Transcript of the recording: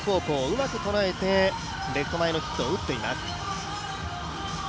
うまく捉えてレフト前のヒットを打っています。